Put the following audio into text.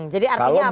jadi artinya apa